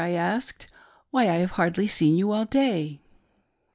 " I asked, " Why, I have hardly seen you all the day."